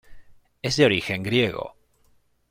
Es de origen griego.